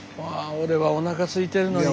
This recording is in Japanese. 俺はおなかすいてるのに。